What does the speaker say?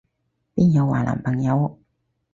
邊有話男朋友？